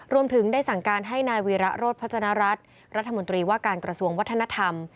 รวมถึงได้สั่งการให้นายวีระโรธพัฒนรัฐรัฐมนตรีว่าการกระทรวงวัฒนธรรม